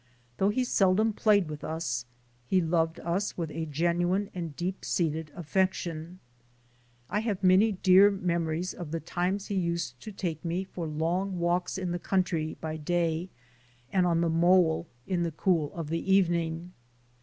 Though he seldom played with us, he loved us with a genuine and deep seated affection. I have very dear memories of the times he used to take me for long walks in the country by day and on the mole in the cool of the evening.